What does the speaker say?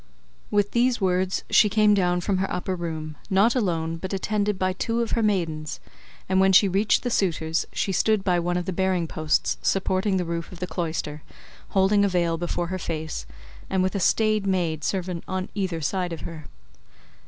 With these words she came down from her upper room, not alone but attended by two of her maidens, and when she reached the suitors she stood by one of the bearing posts supporting the roof of the cloister, holding a veil before her face, and with a staid maid servant on either side of her.